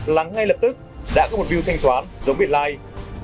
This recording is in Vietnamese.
lắng ngay lập tức đã có một view thanh toán giống biệt like